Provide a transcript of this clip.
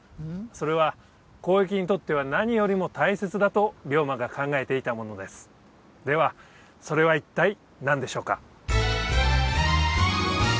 それは交易にとっては何よりも大切だと龍馬が考えていたものですではそれは一体何でしょうか？